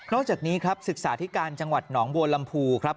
อกจากนี้ครับศึกษาที่การจังหวัดหนองบัวลำพูครับ